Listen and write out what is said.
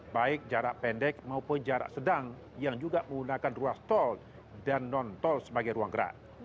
baik jarak pendek maupun jarak sedang yang juga menggunakan ruas tol dan non tol sebagai ruang gerak